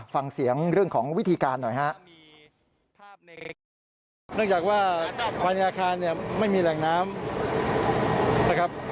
ฟังเสียงเรื่องของวิธีการหน่อยครับ